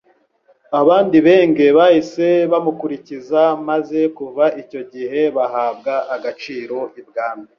Abandi Benge bahise bamukurikiza maze kuva icyo gihe bahabwa agaciro ibwami